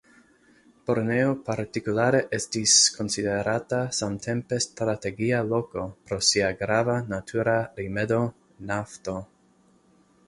Borneo partikulare estis konsiderata samtempe strategia loko pro sia grava natura rimedo; nafto.